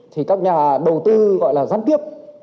thì các nhà đầu tư gọi là gián tiếp